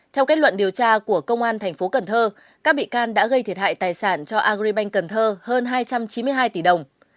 theo kết luận điều tra của công an tp cn các bị can đã gây thiệt hại tài sản cho agribank cần thơ hơn hai trăm chín mươi hai tỷ đồng